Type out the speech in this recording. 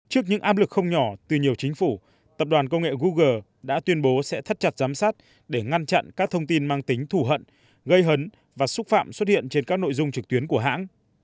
trước những áp lực không nhỏ từ nhiều chính phủ tập đoàn công nghệ google đã tuyên bố sẽ thắt chặt giám sát để ngăn chặn các thông tin mang tính thủ hận gây hấn và xúc phạm xuất hiện trên các nội dung trực tuyến của hãng